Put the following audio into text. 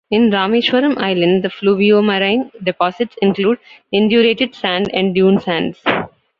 In Rameswaram Island, the fluvio-marine deposits include indurated sand and dune sands.